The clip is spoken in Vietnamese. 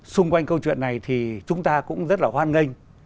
xung quanh câu chuyện này thì chúng ta cũng rất là hoan nghênh